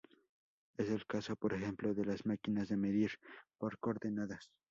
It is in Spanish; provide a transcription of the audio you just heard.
Es el caso, por ejemplo, de las máquinas de medir por coordenadas.